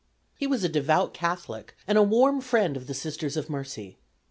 He was a devout Catholic, and a warm friend of the Sisters of Mercy.